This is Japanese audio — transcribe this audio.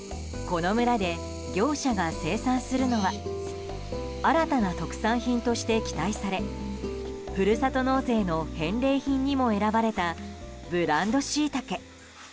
この村で業者が生産するのは新たな特産品として期待されふるさと納税の返礼品にも選ばれたブランドシイタケ。